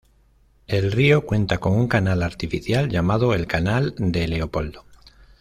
El río cuenta con un canal artificial llamado el canal de Leopoldo.